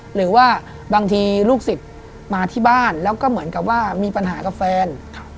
หรือว่าบางทีลูกศิษย์มาที่บ้านแล้วก็เหมือนกับว่ามีปัญหากับแฟน